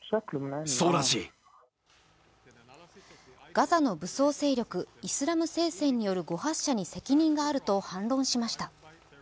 ガザの武装勢力イスラム聖戦による誤発射に責任があると反論しました。